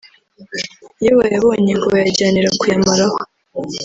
iyo bayabonye ngo bayajyanira kuyamaraho